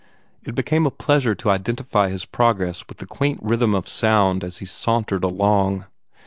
It became a pleasure to identify his progress with the quaint rhythm of sound as he sauntered along.